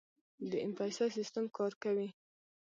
د ایم پیسه سیستم کار کوي؟